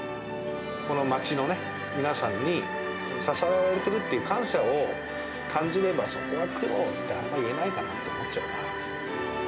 この街のね、皆さんに、支えられてるっていう感謝を感じれば、そこは苦労ってあんまり言えないかなと思っちゃう。